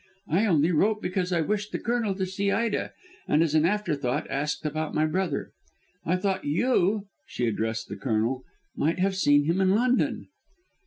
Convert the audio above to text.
I only wrote because I wished the Colonel to see Ida, and as an afterthought asked about my brother. I thought you," she addressed the Colonel, "might have seen him in London."